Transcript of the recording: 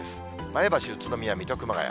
前橋、宇都宮、水戸、熊谷。